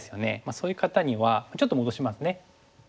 そういう方にはちょっと戻しますね。